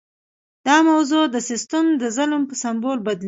دا موضوع د سیستم د ظلم په سمبول بدلیږي.